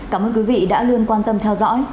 cảm ơn quý vị đã luôn quan tâm theo dõi